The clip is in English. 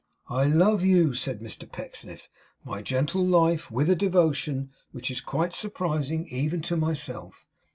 'I love you,' said Mr Pecksniff, 'my gentle life, with a devotion which is quite surprising, even to myself.